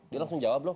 dia langsung jawab loh